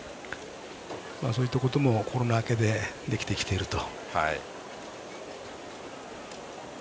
そういったこともコロナ明けでできてきていると。